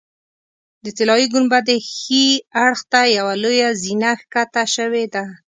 د طلایي ګنبدې ښي اړخ ته یوه لویه زینه ښکته شوې ده.